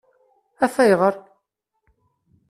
Af ayɣeṛ?